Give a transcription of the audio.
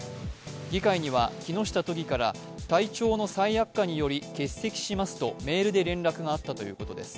議会には木下都議から、体調の再悪化により欠席しますとメールで連絡があったということです。